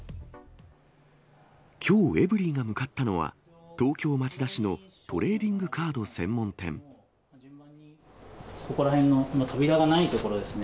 きょう、エブリィが向かったのは、東京・町田市のトレーディングカード専ここら辺の扉がない所ですね、